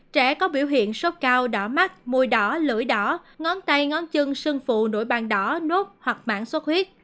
trẻ có biểu hiện sốc cao đỏ mắt mùi đỏ lưỡi đỏ ngón tay ngón chân sân phụ nổi bàn đỏ nốt hoặc mảng sốt huyết